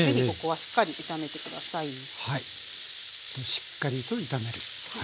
しっかりと炒める。